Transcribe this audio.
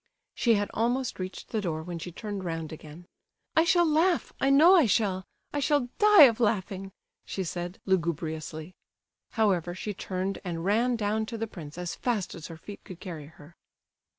She had almost reached the door when she turned round again. "I shall laugh—I know I shall; I shall die of laughing," she said, lugubriously. However, she turned and ran down to the prince as fast as her feet could carry her.